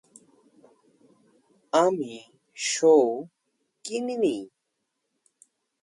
আমি শো কিনি নি।